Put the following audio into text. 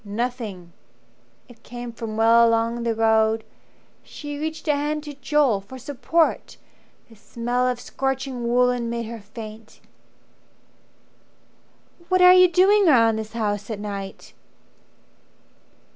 "Nothing." It came from well along the road. She reached a hand to Joel for support: The smell of scorching woollen made her faint. "What are you doing round this house at night?"